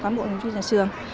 cán bộ nhà trường